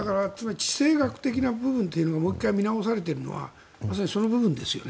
地政学的な部分というのがもう１回見直されているのはその部分ですよね。